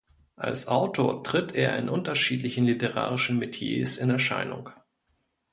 Als Autor tritt er in unterschiedlichen literarischen Metiers in Erscheinung.